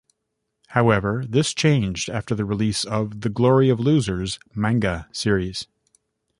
However, this changed after the release of the "Glory of Losers" manga series.